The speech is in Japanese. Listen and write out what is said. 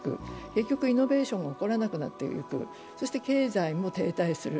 結局、イノベーションも起こらなくなっていく、そして経済も停滞する。